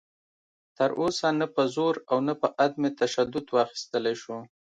تر اوسه نه په زور او نه په عدم تشدد واخیستلی شو